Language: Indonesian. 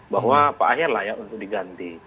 bahwa pak aher layak untuk diganti